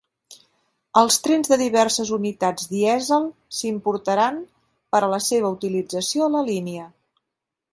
Els trens de diverses unitats dièsel s'importaran per a la seva utilització a la línia.